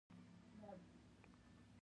زه خپل موبایل ته غزلونه ښکته کوم.